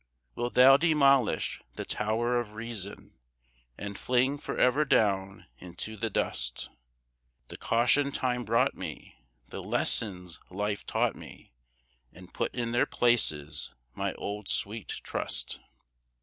Wilt thou demolish the tower of reason And fling for ever down into the dust The caution Time brought me, the lessons life taught me, And put in their places my old sweet trust?